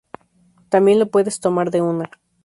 Tambien lo puedes tomar de una.